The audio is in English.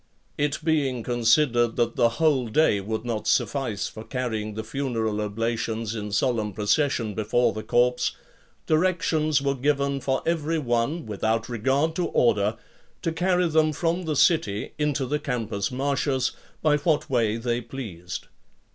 It being considered that the whole day would not suffice for carrying the funeral oblations in solemn procession before the corpse, directions were given for every one, without regard to order, to carry them from the city into the Campus Martius, by what way they pleased.